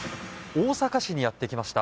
大阪市にやってきました。